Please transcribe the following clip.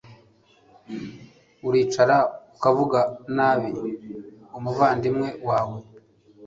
uricara, ukavuga nabi umuvandimwe wawe